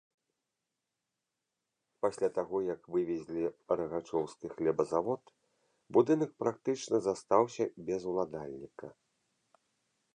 Пасля таго, як вывезлі рагачоўскі хлебазавод, будынак практычна застаўся без уладальніка.